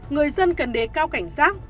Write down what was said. người dân cần đế cao cảnh giác